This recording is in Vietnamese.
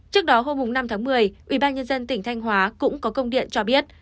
trước đó hôm năm tháng một mươi ubnd tỉnh thanh hóa cũng có công điện cho biết